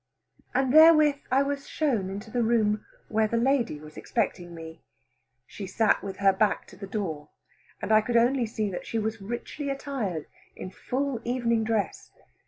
And therewith I was shown into the room where the lady was expecting me. She sat with her back to the door, and I could only see that she was richly attired in full evening dress.